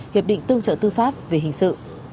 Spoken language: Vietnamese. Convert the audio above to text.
hiệp định tương trợ tư pháp về hình sự